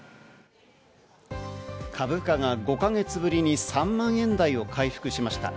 株価が５か月ぶりに３万円台を回復しました。